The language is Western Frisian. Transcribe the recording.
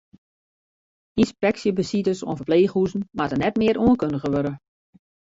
Ynspeksjebesites oan ferpleechhûzen moatte net mear oankundige wurde.